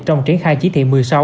trong triển khai chí thị một mươi sáu